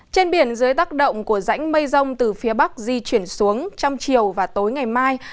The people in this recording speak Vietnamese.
trên biển dưới tác động của rãnh mây rông từ phía bắc di chuyển xuống trong chiều và tối ngày mai